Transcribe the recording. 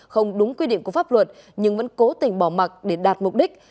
không đúng quy định của pháp luật nhưng vẫn cố tình bỏ mặt để đạt mục đích